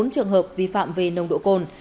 bốn trường hợp vi phạm về nồng độ cồn